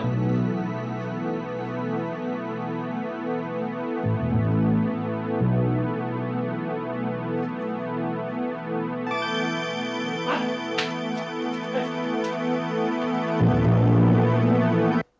bawa dia ke mobil